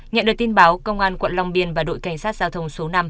nhận được tin báo công an quận long biên và đội cảnh sát giao thông số năm